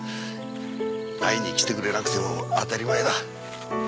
会いに来てくれなくても当たり前だ。